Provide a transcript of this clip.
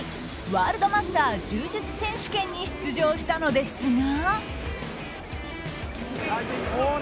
ワールドマスター柔術選手権に出場したのですが。